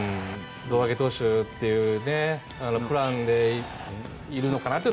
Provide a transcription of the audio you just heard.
胴上げ投手というプランでいるのかなという。